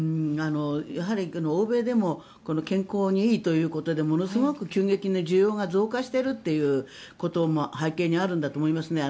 やはり欧米でも健康にいいということでものすごく急激に需要が増加しているということも背景にあるんだと思います。